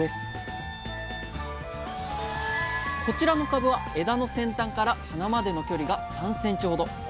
こちらの株は枝の先端から花までの距離が３ｃｍほど。